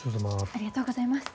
ありがとうございます。